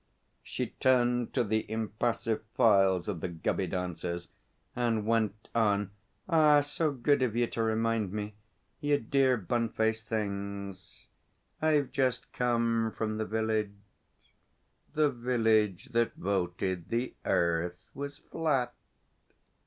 She turned to the impassive files of the Gubby dancers, and went on: 'Ah, so good of you to remind me, you dear, bun faced things. I've just come from the village The Village that Voted the Earth was Flat.'